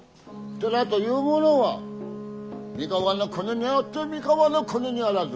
寺というものは三河国にあって三河国にあらず。